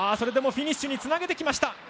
フィニッシュにつなげてきました。